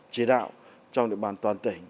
chỉ đạo trong địa bàn toàn tỉnh